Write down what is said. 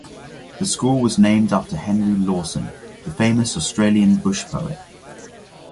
The school was named after Henry Lawson, the famous Australian bush poet.